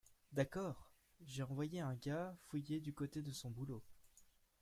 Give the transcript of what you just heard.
D’accord. J’ai envoyé un gars fouiller du côté de son boulot.